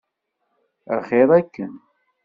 Axir akken.